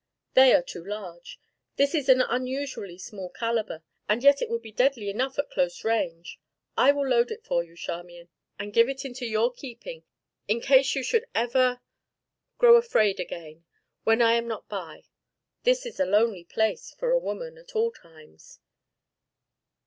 "They are too large; this is an unusually small calibre, and yet it would be deadly enough at close range. I will load it for you, Charmian, and give it into your keeping, in case you should ever grow afraid again, when I am not by; this is a lonely place for a woman at all times."